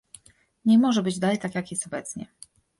Nie może być dalej tak jak jest obecnie